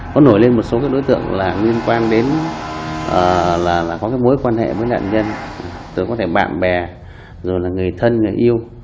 có nổi lên một số đối tượng liên quan đến mối quan hệ với đạn nhân tướng có thể bạn bè người thân người yêu